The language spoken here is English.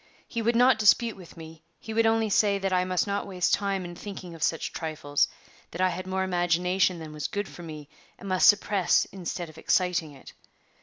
He would not dispute with me; he would only say that I must not waste time in thinking of such trifles; that I had more imagination than was good for me, and must suppress instead of exciting it.